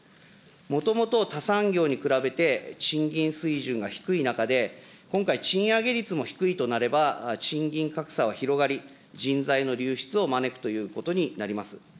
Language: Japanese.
もともと、他産業に比べて賃金水準が低い中で、今回、賃上げ率も低いとなれば、賃金格差は広がり、人材の流出を招くということになります。